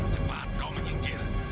cepat kau menyingkir